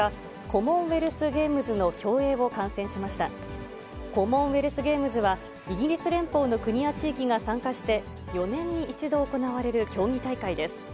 コモンウェルスゲームスは、イギリス連邦の国や地域が参加して、４年に１度行われる競技大会です。